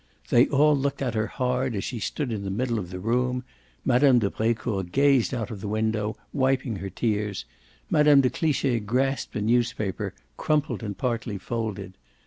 They all looked at her hard as she stood in the middle of the room; Mme. de Brecourt gazed out of the window, wiping her tears; Mme. de Cliche grasped a newspaper, crumpled and partly folded.